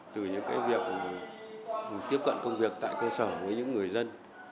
từ những việc tiếp cận công việc tại cơ sở với những người dân